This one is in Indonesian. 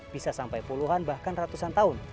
bisa sampai puluhan bahkan ratusan tahun